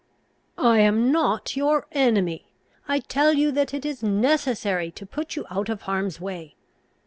"I am not your enemy. I tell you that it is necessary to put you out of harm's way.